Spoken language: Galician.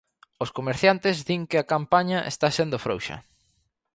Os comerciantes din que a campaña está sendo frouxa.